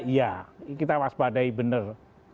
ya kita waspadai benar